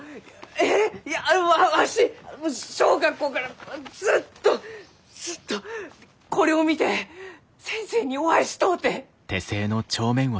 いやわし小学校からずっとずっとこれを見て先生にお会いしとうて！